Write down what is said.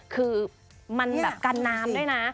คือมันแบบกันน้ำด้วยนะ